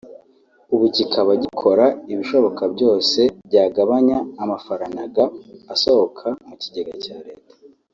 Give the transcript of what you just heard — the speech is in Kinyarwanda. ubu kikaba gikora ibishoboka byose byagabanya amafaranaga asohoka mu kigega cya Leta